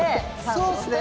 そうですね。